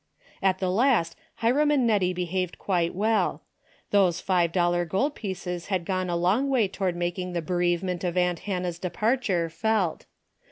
At the last Hiram and Nettie behaved quite well. Those five dollar gold pieces had gone a long way toward making the bereavement of aunt Hannah's departure felt.